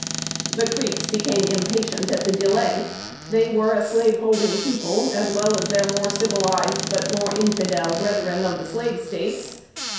The Creeks became impatient at delay; they were a slaveholding people, as well as their more civilized but more infidel brethren, of the slave States.